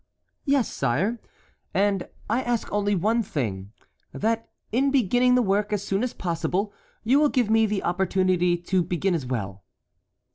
"Yes, sire, and I ask only one thing, that in beginning the work as soon as possible, you will give me the opportunity to begin also."